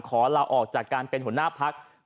ลาออกจากการเป็นหัวหน้าพัก